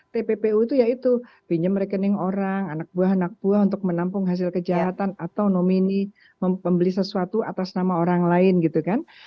tppu itu ya itu pinjam rekening orang anak buah anak buah untuk menampung hasil kejahatan atau nomini membeli sesuatu atas nama orang lain gitu kan